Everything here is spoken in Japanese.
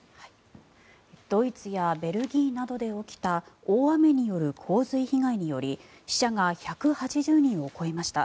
ドイツやベルギーなどで起きた大雨による洪水被害により死者が１８０人を超えました。